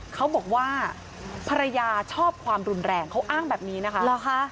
เขาบอกว่าภรรยาชอบความรุนแรงเขาอ้างแบบนี้นะคะเหรอคะ